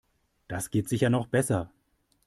Das geht sicher noch besser.